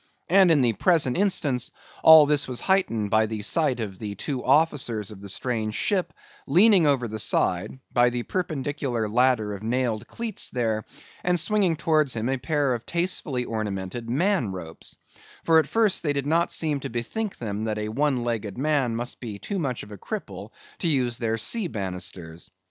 And in the present instance, all this was heightened by the sight of the two officers of the strange ship, leaning over the side, by the perpendicular ladder of nailed cleets there, and swinging towards him a pair of tastefully ornamented man ropes; for at first they did not seem to bethink them that a one legged man must be too much of a cripple to use their sea bannisters.